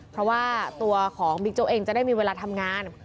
เพราะว่าตัวของบิ๊กโจ๊กเองจะได้มีเวลาทำงาน